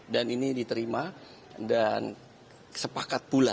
dan ini diterima dan sepakat pula